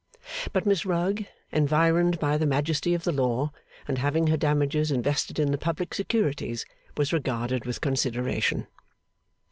But Miss Rugg, environed by the majesty of the law, and having her damages invested in the public securities, was regarded with consideration.